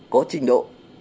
có trình độ